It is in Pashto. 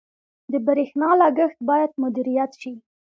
• د برېښنا لګښت باید مدیریت شي.